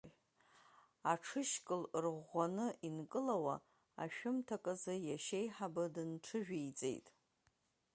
Аҽышькыл ырӷәӷәаны инкылауа, ашәымҭаказы иашьеиҳабы дынҽыжәиҵеит.